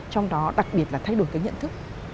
trong đó đặc biệt là thay đổi cái nhận thức